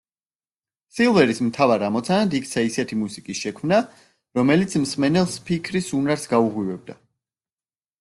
სილვერის მთავარ ამოცანად იქცა ისეთი მუსიკის შექმნა, რომელიც მსმენელს ფიქრის უნარს გაუღვივებდა.